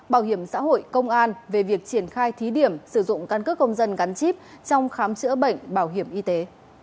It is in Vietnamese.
bảo hiểm xã hội công an về việc triển khai thí điểm sử dụng căn cước công dân gắn chip trong khám chữa bệnh bảo hiểm y tế